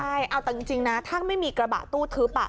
ใช่เอาแต่จริงนะถ้าไม่มีกระบะตู้ทึบ